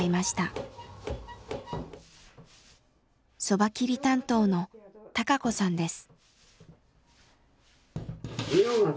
そば切り担当の孝子さんです。